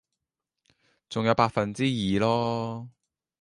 仲有百分之二囉